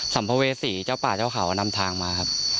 ัมภเวษีเจ้าป่าเจ้าเขานำทางมาครับ